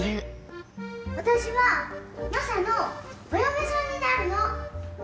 私はマサのお嫁さんになるの！